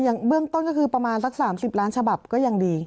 เบื้องต้นก็คือประมาณสัก๓๐ล้านฉบับก็ยังดี